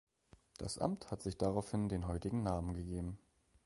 Das Amt hat sich daraufhin den heutigen Namen gegeben.